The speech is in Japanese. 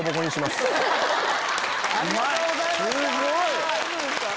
すごい！